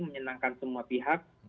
menyenangkan semua pihak